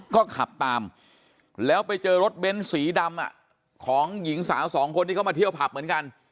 ก็ขับตามแล้วไปเจอรถเบ้นสีดำของหญิงสาวสองคนที่เขามาเที่ยวผับเหมือนกัน